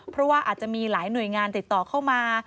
เพราะว่าอาจจะมีหลายหน่วยงานติดต่อเข้ามา